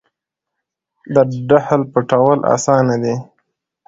د ډهل پټول اسانه دي .